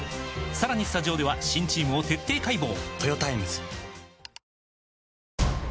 さらにスタジオでは新チームを徹底解剖！